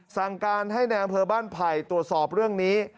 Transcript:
สั่งการให้ในอำเภอบ้านไผ่ตรวจสอบเรื่องนี้